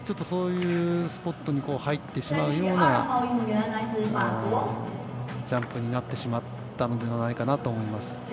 そういうスポットに入ってしまうようなジャンプになってしまったのではないかなと思います。